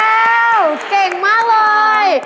อาจารย์แพลวเก่งมากเลย